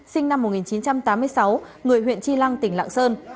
sinh năm một nghìn chín trăm tám mươi sáu người huyện tri lăng tỉnh lạng sơn